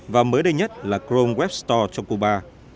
và mới đây nhất là chrome web store cho cuba